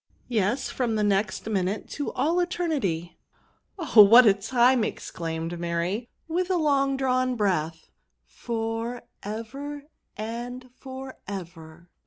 '* Yes> from the next minute to all eter nity." " Oh! what a time!" exelaimed Mary, with a long drawn breath ;'* for ever! and for ever!"